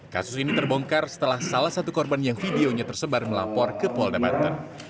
kasus ini terbongkar setelah salah satu korban yang videonya tersebar melapor ke polda banten